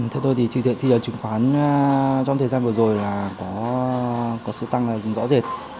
theo tôi thì chỉ thị trường chứng khoán trong thời gian vừa rồi là có sự tăng rõ rệt